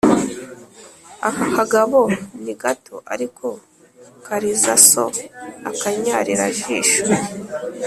Aka kagabo ni gato, ariko kariza so.-Akanyarirajisho.